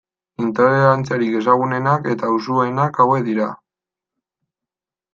Intolerantziarik ezagunenak eta usuenak hauek dira.